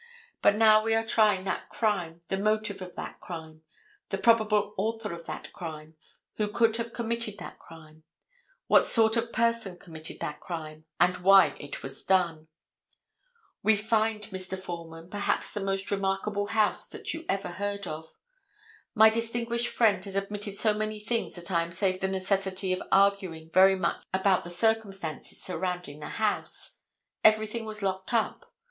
But now we are trying that crime, the motive of that crime, the probable author of that crime, who could have committed that crime, what sort of person committed that crime, and why it was done. We find, Mr. Foreman, perhaps the most remarkable house that you ever heard of. My distinguished friend has admitted so many things that I am saved the necessity of arguing very much about the circumstances surrounding the house. Everything was locked up.